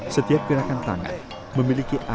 setiap gerakan tangan memiliki alat